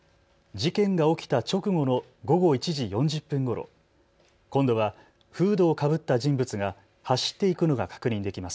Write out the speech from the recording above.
事件が起きた直後の午後１時４０分ごろ、今度はフードをかぶった人物が走って行くのが確認できます。